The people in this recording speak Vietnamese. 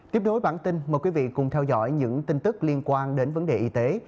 tiếp đối bản tin mời quý vị cùng theo dõi những tin tức liên quan đến vấn đề y tế